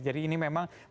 jadi ini memang protokol